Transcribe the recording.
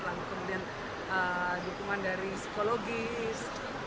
kemudian dukungan dari psikologis